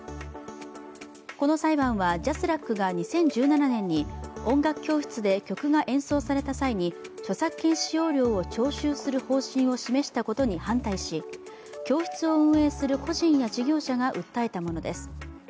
この裁判はＪＡＳＲＡＣが２０１７年に音楽教室で曲が演奏された際に著作権使用料を徴収する方針を示したことに反対し教室を運営する個人や事業者が訴えたものです。